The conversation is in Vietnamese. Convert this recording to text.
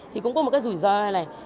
thì cũng có một cái rủi ro này này